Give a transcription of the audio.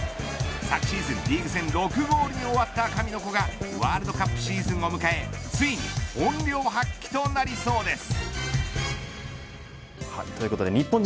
昨シーズン、リーグ戦６ゴールで終わった神の子がワールドカップシーズンを迎えついに本領発揮となりそうです。